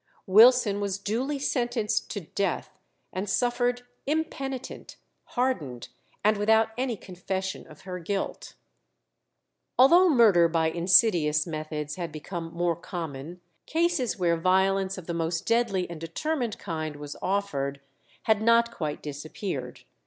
Wilson was duly sentenced to death, and suffered impenitent, hardened, and without any confession of her guilt. Although murder by insidious methods had become more common, cases where violence of the most deadly and determined kind was offered had not quite disappeared.